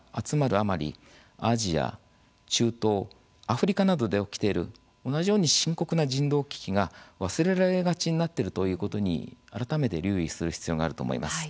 あまりアジア、中東、アフリカなどで起きている同じように深刻な人道危機が忘れられがちになっているということに改めて留意する必要があると思います。